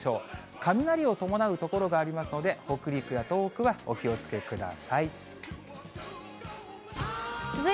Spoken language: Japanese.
雷を伴う所がありますので、北陸や東北はお気をつけください。